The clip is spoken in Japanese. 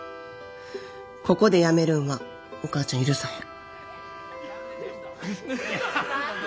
ここでやめるんはお母ちゃん許さへん。